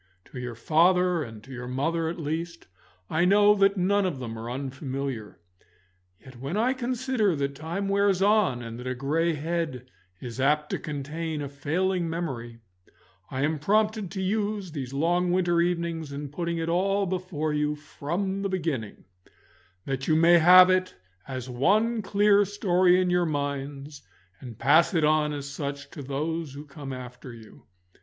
To your father and to your mother, at least, I know that none of them are unfamiliar. Yet when I consider that time wears on, and that a grey head is apt to contain a failing memory, I am prompted to use these long winter evenings in putting it all before you from the beginning, that you may have it as one clear story in your minds, and pass it on as such to those who come after you.